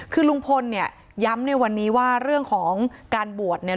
คือลุงพลเนี่ยย้ำในวันนี้ว่าเรื่องของการบวชเนี่ย